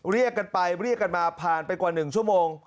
เรียกกันไปเรียกกันมาผ่านไปกว่า๑ชั่วโมง